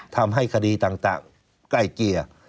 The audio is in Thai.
ทำให้คดีต่างใกล้เกลี่ย